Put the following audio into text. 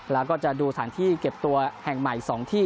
แล้วก็จะดูสถานที่เก็บตัวแห่งใหม่๒ที่